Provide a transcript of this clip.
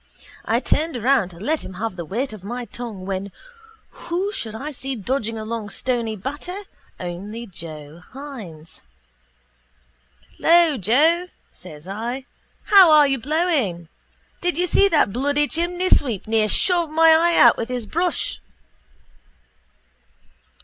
I turned around to let him have the weight of my tongue when who should I see dodging along Stony Batter only Joe Hynes. —Lo, Joe, says I. How are you blowing? Did you see that bloody chimneysweep near shove my eye out with his brush?